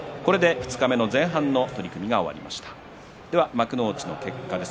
二日目の前半の取組が終わっています。